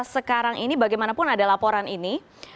sekarang ini bagaimanapun ada laporan ini